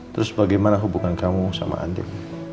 terus bagaimana hubungan kamu sama andib